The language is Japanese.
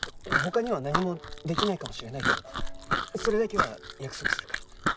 他には何もできないかもしれないけどそれだけは約束するから。